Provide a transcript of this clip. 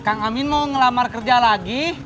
kang amin mau ngelamar kerja lagi